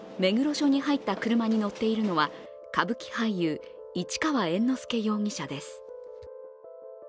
署に入った車に乗っているのは、歌舞伎俳優・市川猿之助容疑者です